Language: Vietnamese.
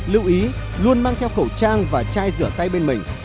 lưu ý luôn mang theo khẩu trang và chai rửa tay bên mình